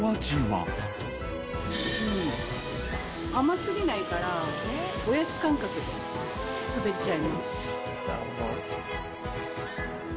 うん、甘すぎないから、おやつ感覚で食べちゃいます。